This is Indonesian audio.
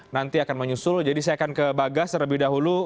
nanti akan menyusul jadi saya akan ke bagas terlebih dahulu